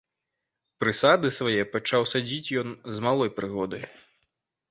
Прысады свае пачаў садзіць ён з малой прыгоды.